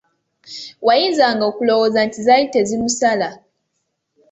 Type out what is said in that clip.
Wayinzanga okulowooza nti zaali tezimusala!